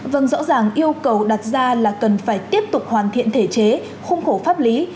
vâng rõ ràng yêu cầu đặt ra là cần phải tiếp tục hoàn thiện thể chế khung khổ pháp lý